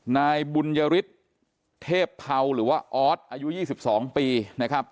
นายบุญยฤทธิ์เทพเภาหรือว่าออสอายุ๒๒ปีนะครับ